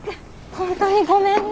本当にごめんね。